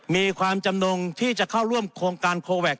มีความจำนงที่จะเข้าร่วมโครงการโคแวค